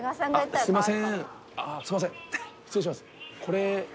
すいません。